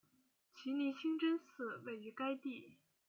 奇尼清真寺位于该地。